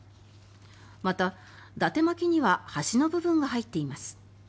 また、だて巻きには端の部分が入っています。